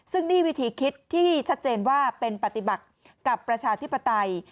ซึ่งนี่วิธีคิดที่ชัดเจนว่าเป็นปฏิบัติกับประชาธิปไตย